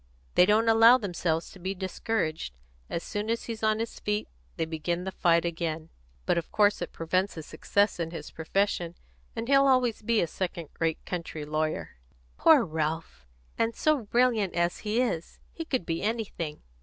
"They don't allow themselves to be discouraged. As soon as he's on his feet they begin the fight again. But of course it prevents his success in his profession, and he'll always be a second rate country lawyer." "Poor Ralph! And so brilliant as he is! He could be anything."